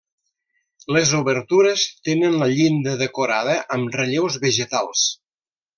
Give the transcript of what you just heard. Les obertures tenen la llinda decorada amb relleus vegetals.